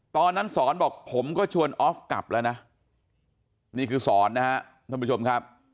ตอนนั้นสอนบอกผมก็ชวนออฟกลับแล้วนะนี่คือสอนนะฮะท่านผู้ชมครับ